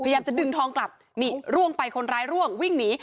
จะดึงทองกลับนี่ร่วงไปคนร้ายร่วงวิ่งหนี